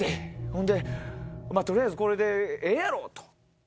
ほんで取りあえずこれでええやろ！と。